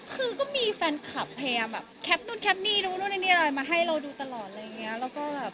คือก็มีแฟนคลับแพรมแคปนุดแคปนี้รายหมาให้นะ